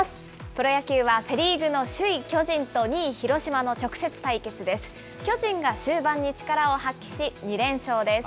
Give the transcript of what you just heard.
プロ野球はセ・リーグの首位巨人と２位広島の直接対決です。